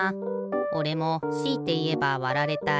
おれもしいていえばわられたい。